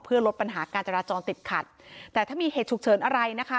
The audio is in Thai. เพื่อลดปัญหาการจราจรติดขัดแต่ถ้ามีเหตุฉุกเฉินอะไรนะคะ